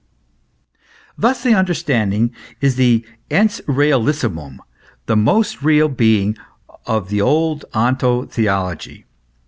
Thus the understanding is the ens realissimum, the most real being of the old onto theology.